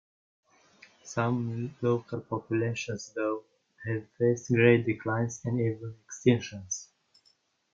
Some local populations, though, have faced great declines and even extinctions.